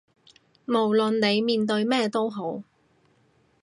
無論你面對咩都好